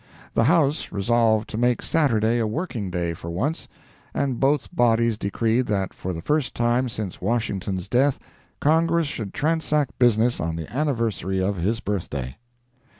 The House resolved to make Saturday a working day for once, and both bodies decreed that for the first time since Washington's death Congress should transact business on the anniversary of his birthday.